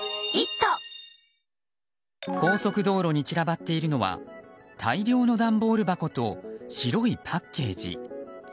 高速道路に散らばっているのは大量の段ボール箱と白いパッケージ。